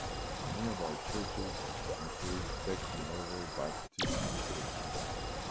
Nearby churches include Bacon Level Baptist Church.